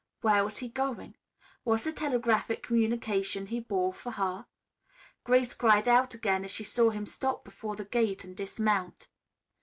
Where was he going? Was the telegraphic communication he bore for her? Grace cried out again as she saw him stop before the gate and dismount.